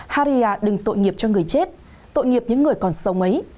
haria đừng tội nghiệp cho người chết tội nghiệp những người còn sống ấy